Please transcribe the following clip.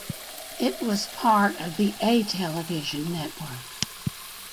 It was part of the A television network.